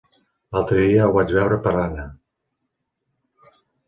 L'altre dia el vaig veure per Anna.